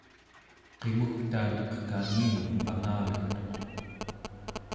qimugta neqkaminun pangalegtuq